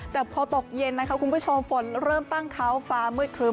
แต่พอตกเย็นนะคะคุณผู้ชมฝนเริ่มตั้งเขาฟ้ามืดครึ้